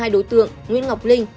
hai đối tượng nguyễn ngọc linh